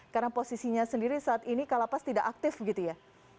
karena posisinya sendiri saat ini kalapas tidak aktif begitu ya